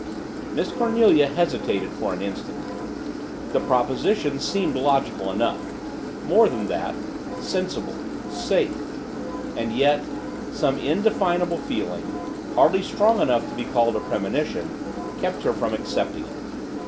Miss Cornelia hesitated for an instant. The proposition seemed logical enough more than that sensible, safe. And yet, some indefinable feeling hardly strong enough to be called a premonition kept her from accepting it.